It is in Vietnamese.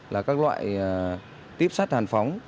là các loại tiếp sát hàn phóng